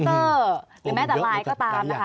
หรือแม้แต่ไลน์ก็ตามนะคะ